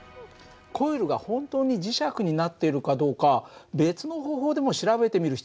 コイルが本当に磁石になっているかどうか別の方法でも調べてみる必要があるんじゃないかな。